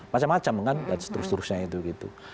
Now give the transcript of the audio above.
macem macem kan dan seterusnya gitu